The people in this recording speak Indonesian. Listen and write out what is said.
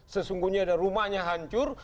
sesungguhnya ada rumahnya hancur